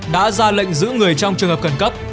đã ra lệnh giữ người trong trường hợp khẩn cấp